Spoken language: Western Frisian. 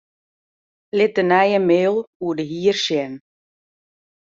Lit de nije mail oer de hier sjen.